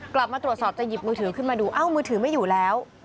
กลับมาตรวจสอบจะหยิบมือถือขึ้นมาดูเอ้ามือถือไม่อยู่แล้ว